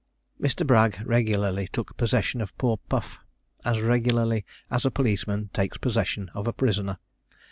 Mr. Bragg regularly took possession of poor Puff; as regularly as a policeman takes possession of a prisoner.